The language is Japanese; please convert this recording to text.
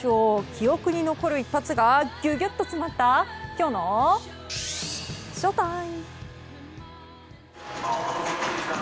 記憶に残る一発がギュギュッと詰まったきょうのＳＨＯＴＩＭＥ！